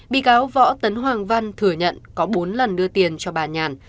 bị cáo võ tấn hoàng văn thừa nhận có bốn lần đưa tiền cho bà nhàn